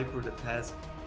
kemampuan merusak ke ukraina